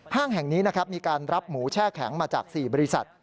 ห้างแห่งนี้มีการรับหมูแช่แข็งมาจาก๔บริษัท